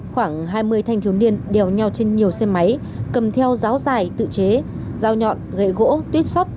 khoảng hai mươi thanh thiếu niên đèo nhau trên nhiều xe máy cầm theo ráo dài tự chế rào nhọn gậy gỗ tuyết xót